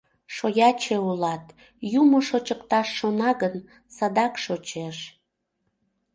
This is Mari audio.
Шояче улат, юмо шочыкташ шона гын, садак шочеш.